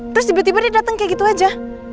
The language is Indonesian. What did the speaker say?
terus tiba tiba dia datang kayak gitu aja